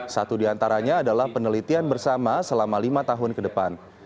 satu diantaranya adalah penelitian bersama selama lima tahun ke depan